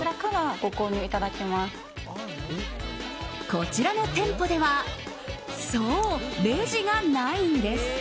こちらの店舗ではそう、レジがないんです。